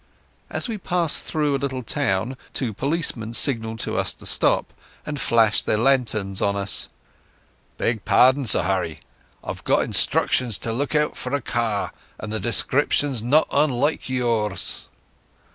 As we passed through a little town two policemen signalled us to stop, and flashed their lanterns on us. "Beg pardon, Sir Harry," said one. "We've got instructions to look out for a car, and the description's no unlike yours."